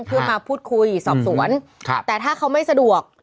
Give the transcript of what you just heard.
เพื่อมาพูดคุยสอบสวนแต่ถ้าเขาไม่สะดวก